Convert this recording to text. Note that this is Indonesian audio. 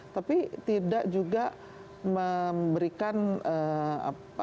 tapi tidak juga memberikan apa